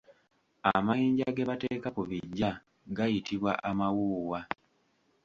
Amayinja ge bateeka ku biggya gayitibwa Amawuuwa.